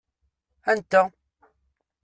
Anta?